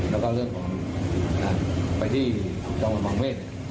แล้วก็เรื่องของไปที่จังหวัดบังเวศ